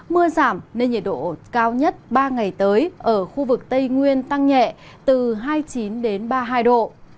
mưa giảm nên nhiệt độ cao nhất ba ngày tới ở khu vực tây nguyên tăng nhẹ từ hai mươi chín đến ba mươi hai độ